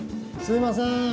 すいません。